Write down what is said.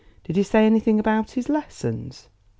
Did he say anything about his lessons?"